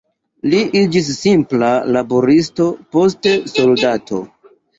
Li iĝis simpla laboristo, poste soldato.